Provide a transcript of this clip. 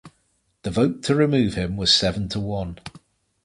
The vote to remove him was seven to one.